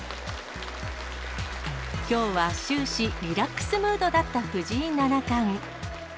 きょうは終始、リラックスムードだった藤井七冠。